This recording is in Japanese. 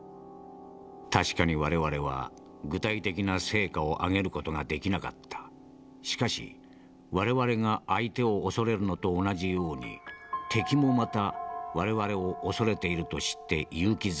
「確かに我々は具体的な成果を上げる事ができなかった。しかし我々が相手を恐れるのと同じように敵もまた我々を恐れていると知って勇気づけられた。